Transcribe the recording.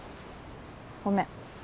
ごめん。